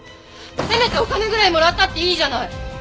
せめてお金ぐらいもらったっていいじゃない！